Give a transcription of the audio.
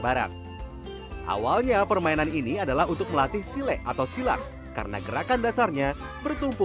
barang awalnya permainan ini adalah untuk melatih sile atau silang karena gerakan dasarnya bertumpu